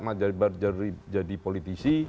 masih baru jadi politisi